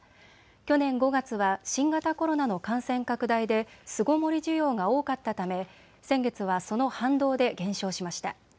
去年５月は新型コロナの感染拡大で巣ごもり需要が多かったため先月はその反動で減少しました。